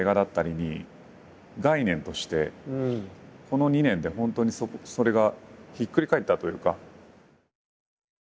この２年で本当にそれがひっくり返ったというか。